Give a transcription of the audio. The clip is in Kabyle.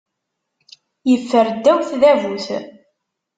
Yeffer ddaw tdabut.